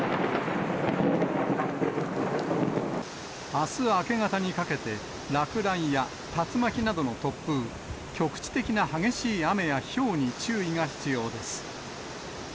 あす明け方にかけて、落雷や竜巻などの突風、局地的な激しい雨やひょうに注意が必要です。